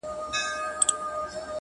لوړ همت د محدودو شرایطو بندیوان نه وي